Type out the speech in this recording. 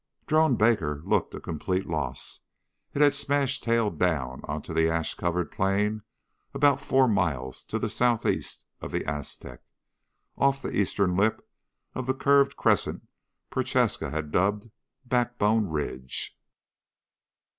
Drone Baker looked a complete loss. It had smashed tail down onto the ash covered plain about four miles to the southeast of the Aztec, off the eastern lip of the curved crescent Prochaska had dubbed "Backbone Ridge."